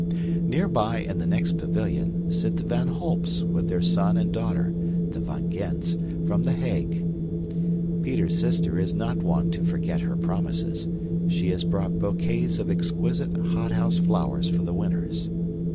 Nearby, in the next pavilion, sit the Van Holps with their son and daughter (the Van Gends) from The Hague. Peter's sister is not one to forget her promises. She has brought bouquets of exquisite hothouse flowers for the winners.